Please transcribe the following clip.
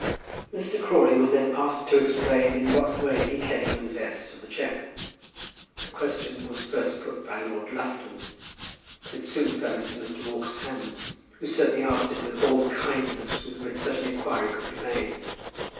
Mr. Crawley was then asked to explain in what way he came possessed of the cheque. The question was first put by Lord Lufton; but it soon fell into Mr. Walker's hands, who certainly asked it with all the kindness with which such an inquiry could be made.